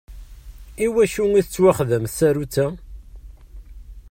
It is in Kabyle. Iwacu i tettwaxdam tsarutt-a?